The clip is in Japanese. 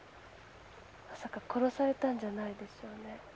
まさか殺されたんじゃないでしょうね？